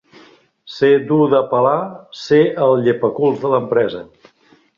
Ser dur de pelar ser el llepaculs de l'empresa